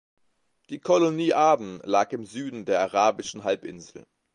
Die Kolonie Aden lag im Süden der Arabischen Halbinsel.